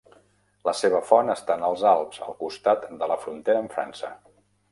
La seva font està en els Alps, al costat de la frontera amb França.